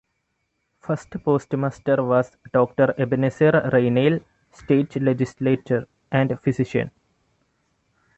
First postmaster was Doctor Ebenezer Raynale, state legislator and physician.